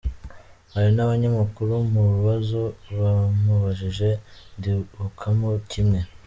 Hari n’abanyamakuru, mu bibazo bamubajije ndibukamo kimwe.